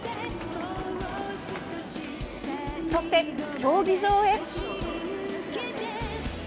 そして、競技場へ！